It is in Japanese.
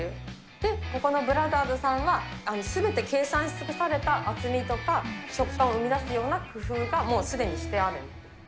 で、ここのブラザーズさんは、すべて計算し尽くされた厚みとか、食感を生み出すような工夫がもうすでにしてある。